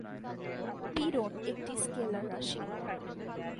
পীড়ন একটি স্কেলার রাশি।